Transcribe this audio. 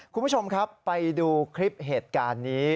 คุณผู้ชมครับไปดูคลิปเหตุการณ์นี้